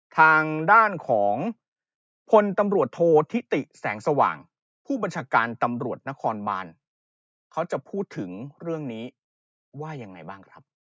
ทางด้านของพลตำรวจโทษธิติแสงสว่างผู้บัญชาการตำรวจนครบานว่าเขาจะพูดถึงเรื่องนี้ว่ายังไงบ้างครับ